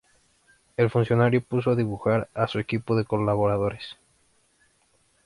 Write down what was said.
El funcionario puso a dibujar a su equipo de colaboradores.